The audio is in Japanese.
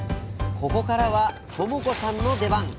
ここからは友子さんの出番。